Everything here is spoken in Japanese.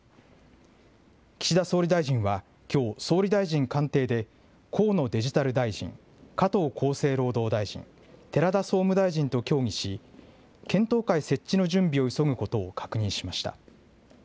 岸田総理大臣は、きょう、総理大臣官邸で、河野デジタル大臣、加藤厚生労働大臣、寺田総務大臣と協議し、検討会設置の準備を急ぐことを確認しました。